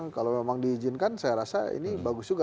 kalau memang diizinkan saya rasa ini bagus juga